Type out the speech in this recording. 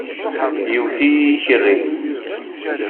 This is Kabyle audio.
Yewwet-iyi yikerri.